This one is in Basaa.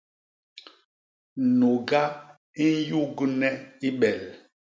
Nuga i nyugne i bel.